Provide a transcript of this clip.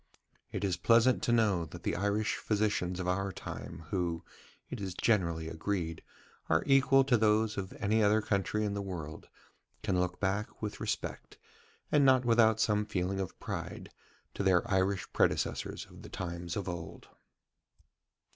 It is pleasant to know that the Irish physicians of our time, who, it is generally agreed, are equal to those of any other country in the world, can look back with respect, and not without some feeling of pride, to their Irish predecessors of the times of old.